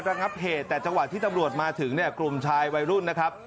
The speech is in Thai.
ระงับเหตุแต่จังหวะที่ตำรวจมาถึงเนี่ยกลุ่มชายวัยรุ่นนะครับ